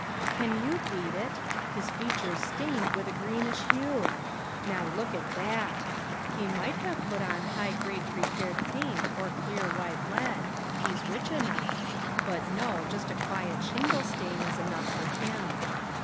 Can you beat it? His features stained with a greenish hue! Now look at that! He might have put on high grade prepared paint or clear white lead, he's rich enough, but, no, just a quiet shingle stain is enough for him.